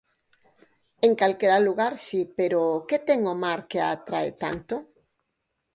En calquera lugar si, pero que ten o mar que a atrae tanto?